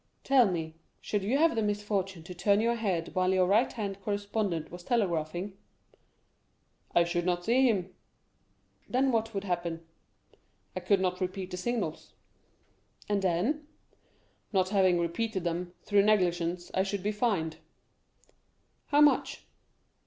"Tell me, should you have the misfortune to turn your head while your right hand correspondent was telegraphing——" "I should not see him." "Then what would happen?" "I could not repeat the signals." "And then?" "Not having repeated them, through negligence, I should be fined." "How much?"